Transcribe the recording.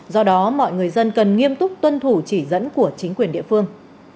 do đó mọi người dân cần nghiêm túc tuân thủ chỉ dẫn của chính quyền địa phương